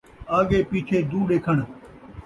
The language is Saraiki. آڳے پیچھے دو ݙیکھݨ